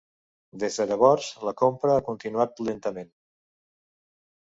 Des de llavors, la compra ha continuat lentament.